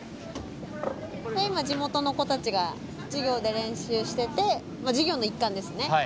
今地元の子たちが授業で練習しててまあ授業の一環ですね。